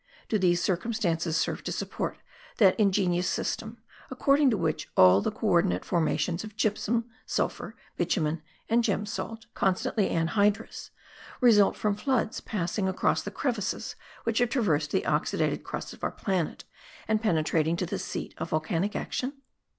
Do these circumstances serve to support that ingenious system, according to which all the co ordinate formations of gypsum, sulphur, bitumen and gem salt (constantly anhydrous) result from floods passing across the crevices which have traversed the oxidated crust of our planet, and penetrating to the seat of volcanic action.